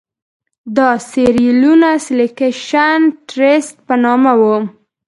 دا د سیریلیون سیلکشن ټرست په نامه وو.